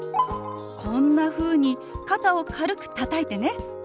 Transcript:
こんなふうに肩を軽くたたいてね。